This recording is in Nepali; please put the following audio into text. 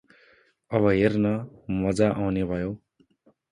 अब हेर्न मजा आउने भयो।